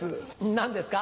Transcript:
何ですか？